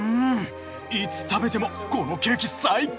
いつ食べてもこのケーキ最高！